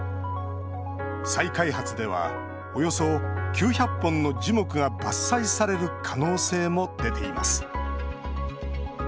再開発ではおよそ９００本の樹木が伐採される可能性も出ています。